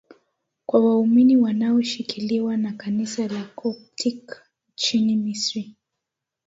kwa waumini wanaoshikiliwa na kanisa la coptic nchini misri